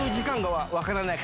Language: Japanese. はい。